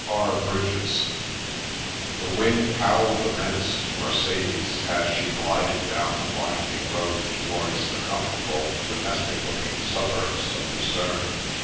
— R. Bridges. The wind howled a menace to Mercedes, as she glided down the winding road towards the com fortable, domestic looking suburbs of Lucerne.